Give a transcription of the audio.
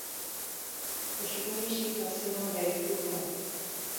Ushqu mishi wasima yaykurqun.